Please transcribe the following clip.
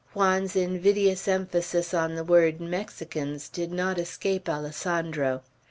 Juan's invidious emphasis on the word "Mexicans" did not escape Alessandro.